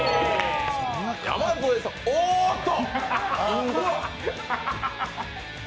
山添さん、おーっと！